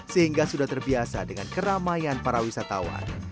sehingga sudah terbiasa dengan keramaian para wisatawan